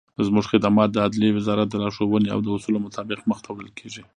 زموږخدمات دعدلیي وزارت دلارښووني او داصولو مطابق مخته وړل کیږي.